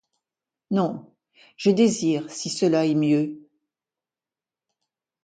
Non, je désire, si cela est mieux.